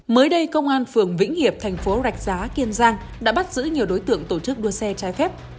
mới đây công an phường vĩnh hiệp tp rạch giá kiên giang đã bắt giữ nhiều đối tượng tổ chức đua xe trai phép